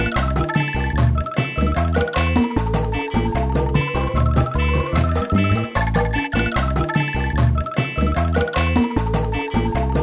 saya gak mau denger nama panggilannya